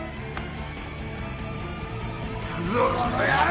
いくぞこの野郎！